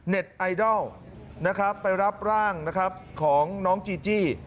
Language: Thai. เน็ตไอดอลนะครับไปรับร่างของน้องจีจี้